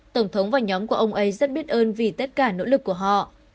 tổng thống và nhóm của ông ấy rất biết ơn vì tất cả nỗ lực của họ